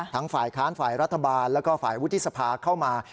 ฝ่ายค้านฝ่ายรัฐบาลแล้วก็ฝ่ายวุฒิสภาเข้ามา